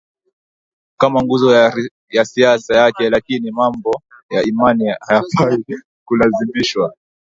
kama nguzo ya siasa yake Lakini mambo ya imani hayafai kulazimishwa